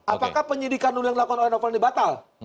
apakah penyidikan dulu yang dilakukan oleh novel ini batal